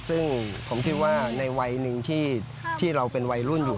ซึ่งผมคิดว่าในวัยหนึ่งที่เราเป็นวัยรุ่นอยู่